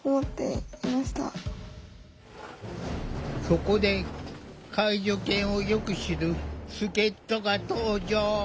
そこで介助犬をよく知る助っとが登場！